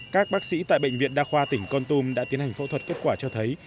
các bác sĩ tại bệnh viện đa khoa tỉnh con tum đã tiến hành phẫu thuật kết quả cho thấy